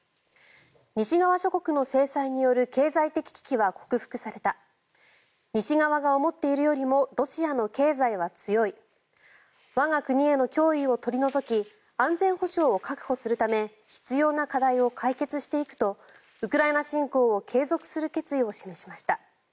西側諸国の制裁による経済的危機は克服された西側が思っているよりもロシアの経済は強い我が国への脅威を取り除き安全保障を確保するため必要な課題を解決していくとウクライナ侵攻を継続する決意を示しました。